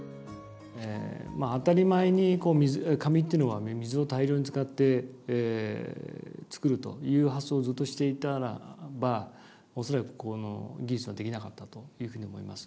当たり前に紙っていうのは水を大量に使って作るという発想をずっとしていたらば恐らくこの技術は出来なかったというふうに思います。